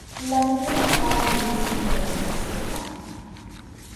La virreina va al Miss Internacional.